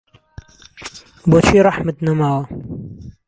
بۆچی ڕەحمت نەماوە